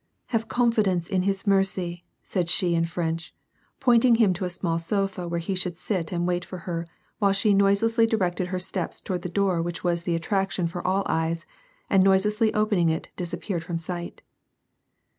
" Have confidence in His mercy," said she in French, point ing him to a small sofa where he should sit and wait for her while she noiselessly directed her steps toward the door which was the attraction for all eyes, and noiselessly opening it dis appeared from sight.